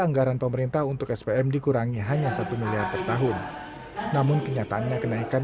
anggaran pemerintah untuk spm dikurangi hanya satu miliar per tahun namun kenyataannya kenaikan